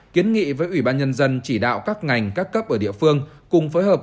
kiến nghị với ủy ban nhân dân chỉ đạo các ngành các cấp ở địa phương cùng phối hợp